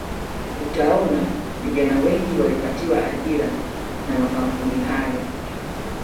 Utaona vijana wengi waliopatiwa ajira na makampuni hayo